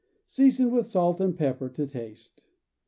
Season with salt and white pepper ^to taste.